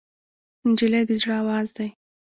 نجلۍ د زړه آواز دی.